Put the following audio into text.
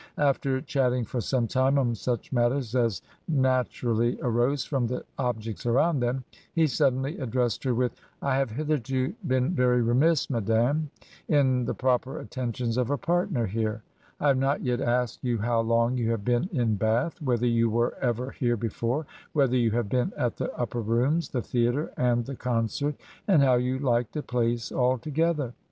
... After chatting for some time on such matters as natural ly arose from the objects around them, he suddenly ad dressed her with — ^'I have hitherto been very remiss, madam, in the proper attentions of a partner here; I have not yet asked you how long you have been in Bath, whether you were ever here before, whether you have been at the Upper Rooms, the theatre, and the con cert, and how you Hke the place altogether.